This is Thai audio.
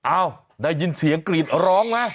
อ้าวได้ยินเสียงกรีดร้องไหม